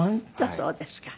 そうですか。